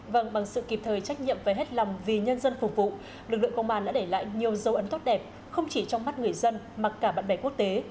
vâng bằng sự kịp thời trách nhiệm và hết lòng vì nhân dân phục vụ lực lượng công an đã để lại nhiều dấu ấn tốt đẹp không chỉ trong mắt người dân mà cả bạn bè quốc tế